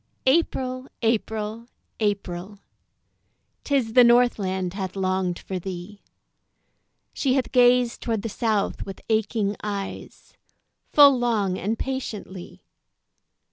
April! April! April! 'Tis the Northland hath longed for thee, She hath gazed toward the South with aching eyes Full long and patiently.